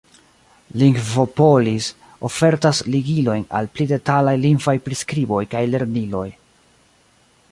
Lingvopolis ofertas ligilojn al pli detalaj lingvaj priskriboj kaj lerniloj.